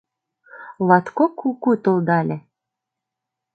Латкок куку толдале.